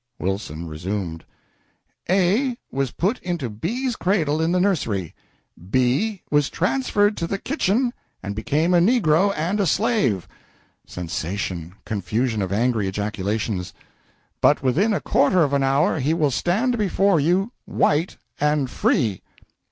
Wilson resumed: "A was put into B's cradle in the nursery; B was transferred to the kitchen and became a negro and a slave, [Sensation confusion of angry ejaculations] but within a quarter of an hour he will stand before you white and free!